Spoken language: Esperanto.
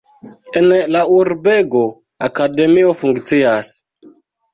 En la urbego akademio funkcias.